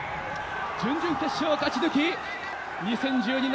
準々決勝を勝ち抜き２０１２年